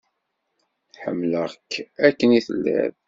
Ḥemmleɣ-k akken i telliḍ.